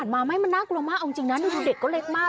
มันน่ากลัวมากจริงนะดูเด็กก็เล็กมาก